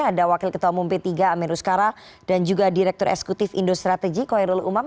ada wakil ketua umum p tiga amir rusqara dan juga direktur eksekutif indostrategy koirul umam